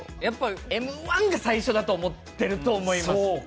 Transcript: やっぱＭ−１が最初だと思ってると思います。